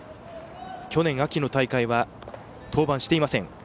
去年秋の大会は登板していません。